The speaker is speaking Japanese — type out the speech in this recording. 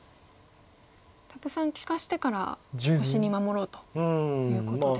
たくさん利かしてから星に守ろうということですか。